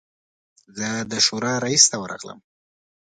زه د شورا رییس ته ورغلم.